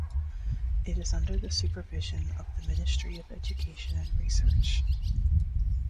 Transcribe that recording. It is under the supervision of the Ministry of Education and Research.